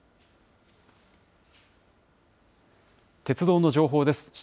鉄道の情報です。